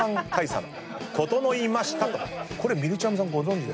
これみりちゃむさんご存じ？